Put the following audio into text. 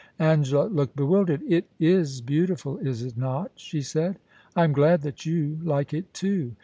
* Angela looked bewildered. *It is beautiful, is it not ?* she said. * I am glad that you like it too.